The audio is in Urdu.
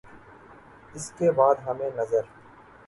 اس کے بعد ہمیں نظر